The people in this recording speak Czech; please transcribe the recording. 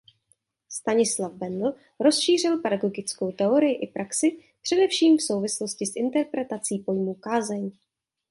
Stanislav Bendl rozšířil pedagogickou teorii i praxi především v souvislosti s interpretací pojmu kázeň.